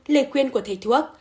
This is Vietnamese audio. liệt khuyên của thầy thuốc